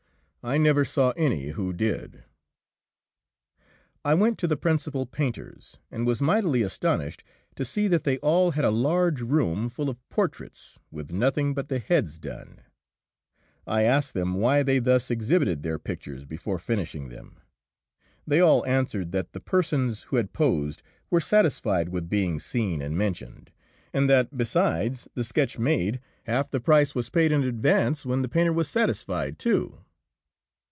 I never saw any who did. I went to the principal painters, and was mightily astonished to see that they all had a large room full of portraits with nothing but the heads done. I asked them why they thus exhibited their pictures before finishing them. They all answered that the persons who had posed were satisfied with being seen and mentioned, and that besides, the sketch made, half the price was paid in advance, when the painter was satisfied, too.